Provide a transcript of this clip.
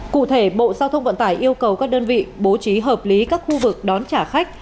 cụ thể bộ giao thông vận tải yêu cầu các đơn vị bố trí hợp lý các khu vực đón trả khách